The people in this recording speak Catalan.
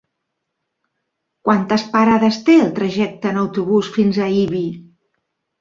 Quantes parades té el trajecte en autobús fins a Ibi?